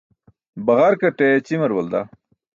Baġarkate ćimar balda.